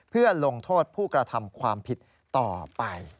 เพื่อลงโทษผู้กระทำความผิดต่อไป